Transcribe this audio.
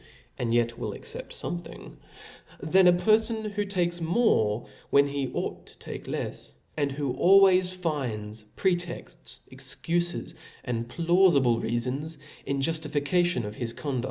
^"»^^^ y^^ ^^^^ accept of fpmething, than' a perfon who takes more when he ought to tak« lefs, and who always finds , pretexts, excufes^ and piaufible reafons^ in juftification of his con